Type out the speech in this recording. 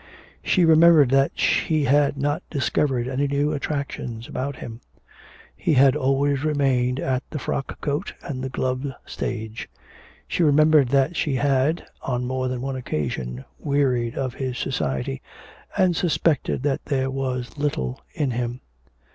She remembered that she had not discovered any new attractions about him; he had always remained at the frock coat and the gloves stage; she remembered that she had, on more than one occasion, wearied of his society and suspected that there was little in him.